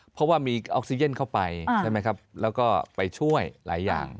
เพราะว่ามีออกซิเจนเข้าไปใช่ไหมครับแล้วก็ไปช่วยหลายอย่าง